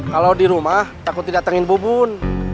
kalau di rumah takut tidak tenggin bobon